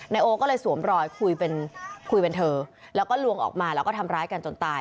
โอก็เลยสวมรอยคุยเป็นคุยเป็นเธอแล้วก็ลวงออกมาแล้วก็ทำร้ายกันจนตาย